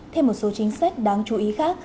thêm một số chính sách đáng chú ý khác